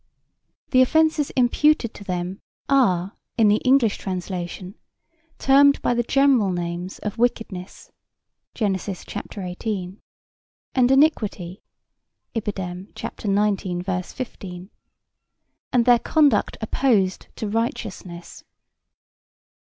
The offences imputed to them are in the English translation termed by the general names of "wickedness" (Genesis, ch. 18.J.B.), and "iniquity" (Ibid., ch. 19, v. 15, J.B.), and their conduct opposed to "righteousness."